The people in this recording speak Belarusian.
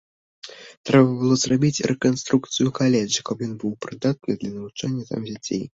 Трэба было зрабіць рэканструкцыю каледжа, каб ён быў прыдатны для навучання там дзяцей.